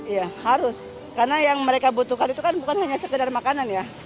iya harus karena yang mereka butuhkan itu kan bukan hanya sekedar makanan ya